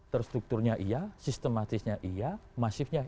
terstrukturnya iya sistematisnya iya masifnya